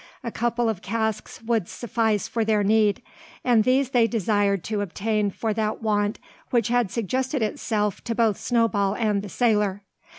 A couple of casks would suffice for their need; and these they desired to obtain for that want which had suggested itself to both Snowball and the sailor.